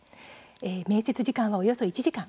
面接時間は、およそ１時間。